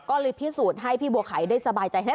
ก็เลยพิสูจน์ให้พี่บัวไข่ได้สบายใจให้